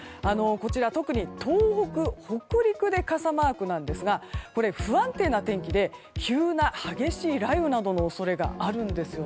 特に東北、北陸で傘マークなんですが不安定な天気で、急な激しい雷雨などの恐れがあるんです。